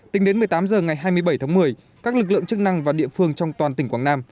tính đến một mươi tám h ngày hai mươi bảy tháng một mươi các lực lượng chức năng và địa phương trong toàn tỉnh quảng nam